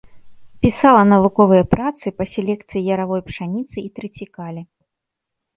Пісала навуковыя працы па селекцыі яравой пшаніцы і трыцікале.